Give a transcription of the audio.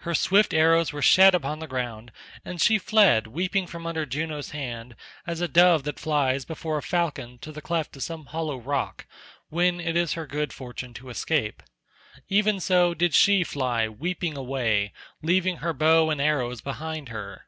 Her swift arrows were shed upon the ground, and she fled weeping from under Juno's hand as a dove that flies before a falcon to the cleft of some hollow rock, when it is her good fortune to escape. Even so did she fly weeping away, leaving her bow and arrows behind her.